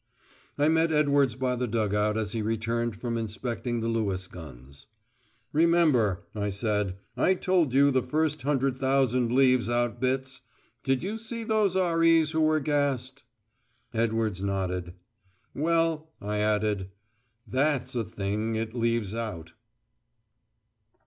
I met Edwards by the dug out as he returned from inspecting the Lewis guns. "Remember," I said, "I told you the 'First Hundred Thousand' leaves out bits? Did you see those R.E.'s who were gassed?" Edwards nodded. "Well," I added, "that's a thing it leaves out."